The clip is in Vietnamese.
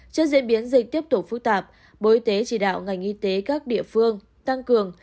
trước diễn biến dịch tiếp tục phức tạp bộ y tế chỉ đạo ngành y tế các địa phương tăng cường